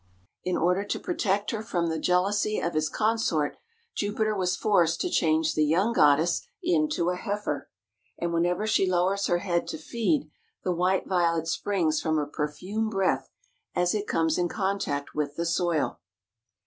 In order to protect her from the jealousy of his consort, Jupiter was forced to change the young goddess into a heifer, and whenever she lowers her head to feed, the white violet springs from her perfumed breath as it comes in contact with the soil.